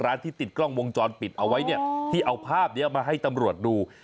ที่ติดกล้องวงจรปิดเอาไว้เนี่ยที่เอาภาพนี้มาให้ตำรวจดู